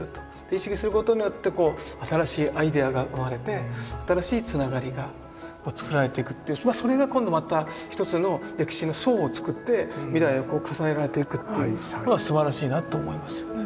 意識することによってこう新しいアイデアが生まれて新しいつながりが作られていくっていうそれが今度また一つの歴史の層を作って未来が重ねられていくっていうすばらしいなと思いますよね。